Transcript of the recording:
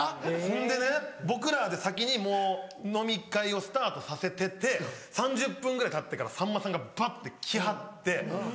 そんでね僕らで先にもう飲み会をスタートさせてて３０分ぐらいたってからさんまさんがバッて来はって。